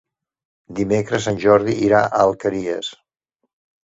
Dimecres en Jordi irà a les Alqueries.